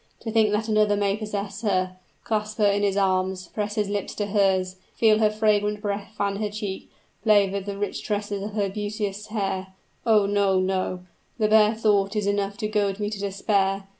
To think that another may possess her, clasp her in his arms, press his lips to hers, feel her fragrant breath fan his cheek, play with the rich tresses of her beauteous hair, oh! no, no, the bare thought is enough to goad me to despair!